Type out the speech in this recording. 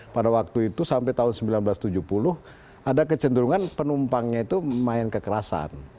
pada waktu itu sampai tahun seribu sembilan ratus tujuh puluh ada kecenderungan penumpangnya itu main kekerasan